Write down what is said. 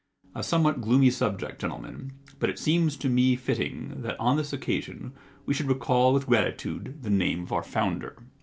A somewhat gloomy subject, gentlemen, but it seemed to me fitting that on this occasion we should recall with grati tude the name of our founder.